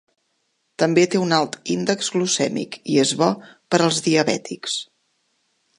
També té un alt índex glucèmic i és bo per als diabètics.